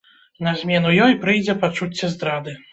На змену ёй прыйдзе пачуцце здрады.